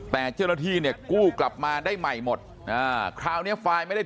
แต่เจ้าหน้าที่เนี่ยกู้กลับมาได้ใหม่หมดอ่าคราวนี้ไฟล์ไม่ได้